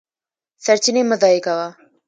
سرچینې مه ضایع کوه.